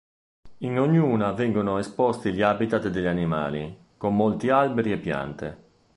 In ognuna vengono esposti gli habitat degli animali, con molti alberi e piante.